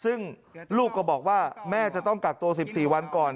ซึ่งลูกก็บอกว่าแม่จะต้องกักตัว๑๔วันก่อน